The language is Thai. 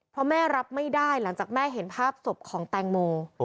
เพราะแม่รับไม่ได้หลังจากแม่เห็นภาพศพของแตงโม